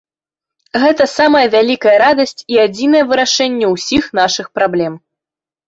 Гэта самая вялікая радасць і адзінае вырашэнне ўсіх нашых праблем.